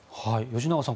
吉永さん